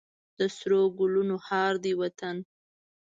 د سرو ګلونو هار دی وطن.